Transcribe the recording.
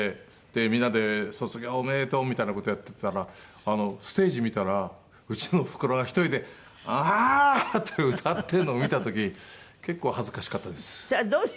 みんなで卒業おめでとうみたいな事やってたらステージ見たらうちのおふくろが１人で「ああー！」って歌ってるのを見た時結構恥ずかしかったです。